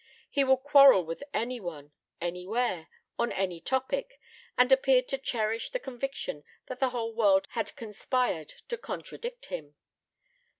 He would quarrel with any one, anywhere, on any topic, and appeared to cherish the conviction that the whole world had conspired to contradict him.